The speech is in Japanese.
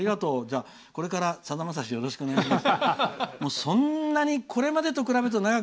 これから、さだまさしよろしくお願いします。